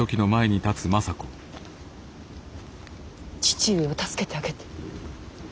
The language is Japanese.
父上を助けてあげて。